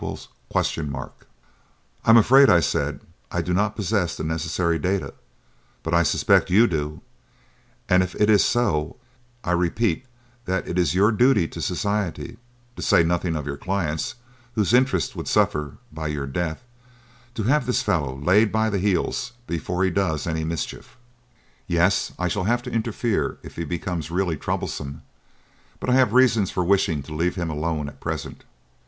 "I am afraid," I said, "I do not possess the necessary data; but I suspect you do, and if it is so, I repeat that it is your duty to society to say nothing of your clients, whose interests would suffer by your death to have this fellow laid by the heels before he does any mischief." "Yes; I shall have to interfere if he becomes really troublesome, but I have reasons for wishing to leave him alone at present."